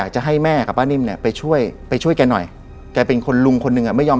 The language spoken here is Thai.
ใช่ครับ